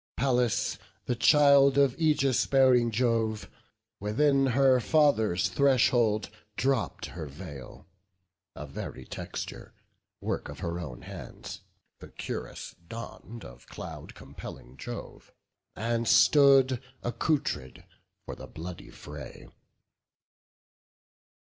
Pallas, the child of aegis bearing Jove, Within her father's threshold dropp'd her veil, Of airy texture, work of her own hands; The cuirass donn'd of cloud compelling Jove, And stood accoutred for the bloody fray.